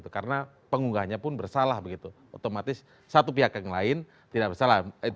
karena pengunggahnya pun bersalah otomatis satu pihak yang lain tidak bersalah